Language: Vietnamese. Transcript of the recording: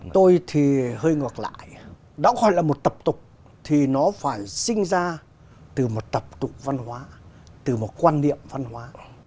tôi thì hơi ngọt lại đó không phải là một tập tục thì nó phải sinh ra từ một tập tục văn hóa từ một quan niệm văn hóa